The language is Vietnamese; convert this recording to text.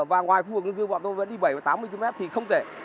và ngoài khu vực dân cư bọn tôi vẫn đi bảy tám mươi km thì không thể